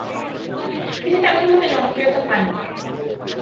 তিনি তেমন ভাবে জনপ্রিয়তা পাননি।